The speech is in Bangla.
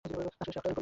আসলে, সে একটা যরিলা।